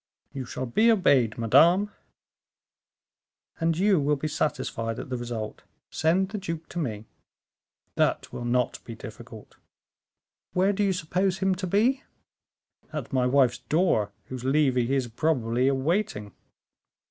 "You shall be obeyed, madame." "And you will be satisfied at the result. Send the duke to me." "That will not be difficult." "Where do you suppose him to be?" "At my wife's door, whose levee he is probably awaiting."